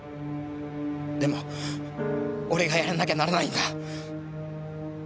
でも俺がやらなきゃならないんだ。